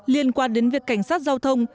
liên quan đến việc cảnh sát giao thông